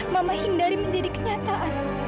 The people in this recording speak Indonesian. mama hindari menjadi kenyataan